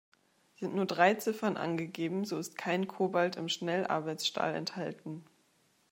Sind nur drei Ziffern angegeben, so ist kein Cobalt im Schnellarbeitsstahl enthalten.